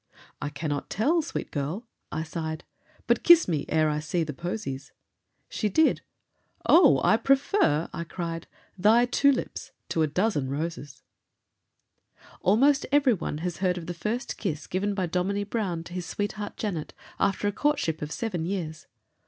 "I cannot tell, sweet girl," I sighed, "But kiss me, ere I see the posies." She did. "Oh! I prefer," I cried, "Thy two lips to a dozen roses." Almost every one has heard of the first kiss given by Dominie Brown to his sweetheart Janet, after a courtship of seven years.